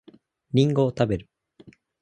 りんごを食べる